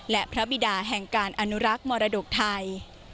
และพระบิดาแห่งการอนุรักษ์มรดกไทย